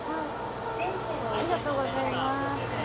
ありがとうございます。